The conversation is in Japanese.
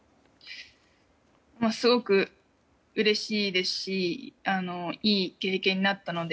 すごくうれしいですしいい経験になったので。